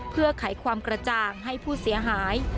เพื่อไขความกระจ่างให้ผู้เสียหาย